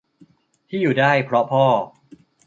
ที่อยู่ได้เพราะพ่อ